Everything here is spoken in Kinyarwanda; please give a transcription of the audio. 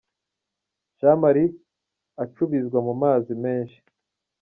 Jean Marie acubizwa mu mazi menshi.